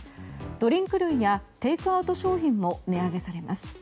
ドリンク類やテイクアウト商品も値上げされます。